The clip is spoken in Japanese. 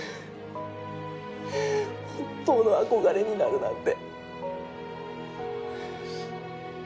本当の憧れになるなんて。